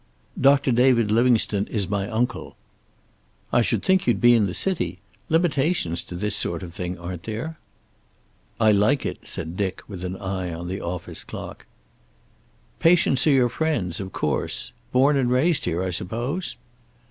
"Doctor David Livingstone is my uncle." "I should think you'd be in the city. Limitations to this sort of thing, aren't there?" "I like it," said Dick, with an eye on the office clock. "Patients are your friends, of course. Born and raised here, I suppose?"